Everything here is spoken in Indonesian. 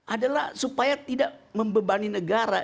adalah supaya tidak membebani negara